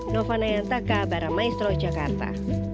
novanaya taka baramaestro jakarta